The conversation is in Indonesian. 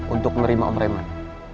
untuk nerima om raymond